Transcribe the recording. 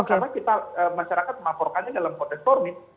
karena masyarakat melaporkannya dalam konteks formal